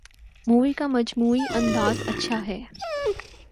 movie کا مجموعی انداز اچھا ہے